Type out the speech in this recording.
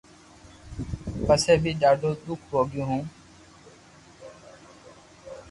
پسي بي ڌاڌو دوک ڀوگيو ھو